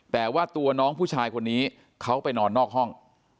แต่ว่าตัวน้องผู้ชายคนนี้เขาไปนอนนอกห้อง